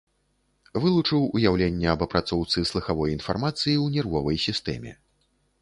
Вылучыў уяўленне аб апрацоўцы слыхавой інфармацыі ў нервовай сістэме.